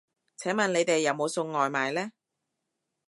請問你哋有冇送外賣呢